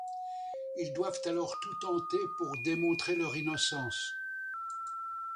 Ils doivent alors tout tenter pour démontrer leur innocence.